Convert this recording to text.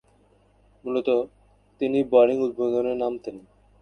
মূলতঃ তিনি বোলিং উদ্বোধনে নামতেন।